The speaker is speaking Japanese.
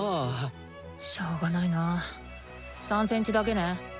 しょうがないな３センチだけね。